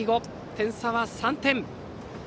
点差は３点。